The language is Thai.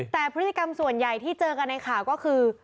แต่พฤติกรรมส่วนใหญ่ที่เจอกันในข่าวก็คือ